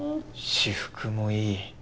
私服もいい。